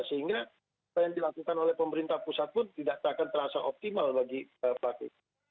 sehingga apa yang dilakukan oleh pemerintah pusat pun tidak akan terasa optimal bagi pelaku